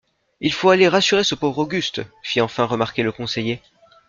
Il faut aller rassurer ce pauvre Auguste, fit enfin remarquer le conseiller.